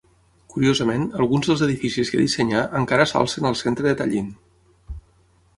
Curiosament, alguns dels edificis que dissenyà encara s'alcen al centre de Tallinn.